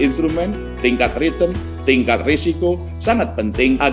contohnya ojk kan dia sudah mengeluarkan toksonomi hijau